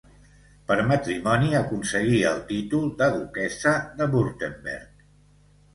Per matrimoni aconseguí el títol de duquessa de Württemberg.